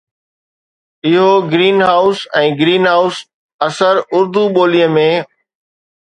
اهو green house ۽ green house اثر اردو ٻوليءَ ۾